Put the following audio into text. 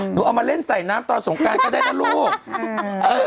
หนูเอามาเล่นใส่น้ำตอนสงการก็ได้นะลูกเออ